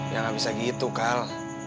ya gak bisa gitu kal